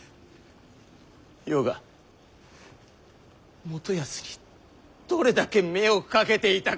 余が元康にどれだけ目をかけていたか！